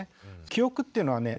記憶っていうのはね